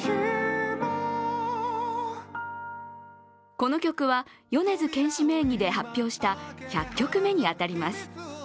この曲は米津玄師名義で発表した１００曲目に当たります。